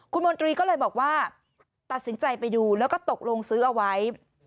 คุณมนตรีก็เลยบอกว่าตัดสินใจไปดูแล้วก็ตกลงซื้อเอาไว้